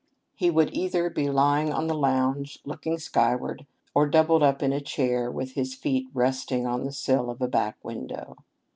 He would either be lying on the lounge looking skyward, or doubled up in a chair with his feet resting on the sill of a back window.